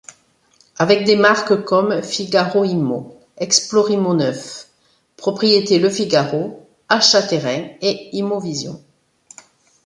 Avec des marques comme Figaro Immo, Explorimmoneuf, Propriétés Le Figaro, Achat-Terrain et Immovision.